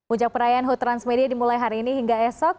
ucak perayaan transmedia dimulai hari ini hingga esok